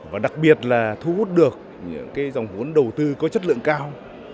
và đặc biệt là thu hút được những dòng vốn đầu tư có chất lượng cao